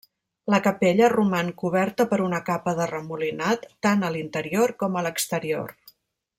La capella roman coberta per una capa de remolinat tant a l'interior com a l'exterior.